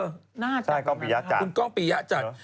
น่าจัดนะครับค่ะคุณกล้องปี่ยะจัดคุณกล้องปี่ยะจัด